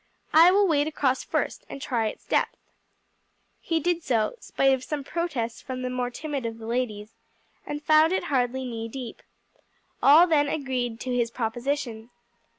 I will wade across first and try its depth." He did so, spite of some protests from the more timid of the ladies, and found it hardly knee deep. All then agreed to his proposition.